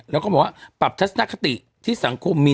แล้วก็บอกว่าปรับทัศนคติที่สังคมมี